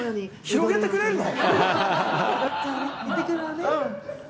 広げてくれるの？